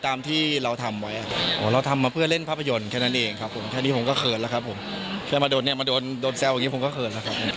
แล้วก็ไปฝึกตีเพชรนิทย์ด้วยครับผม